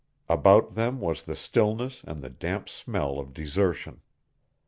About them was the stillness and the damp smell of desertion.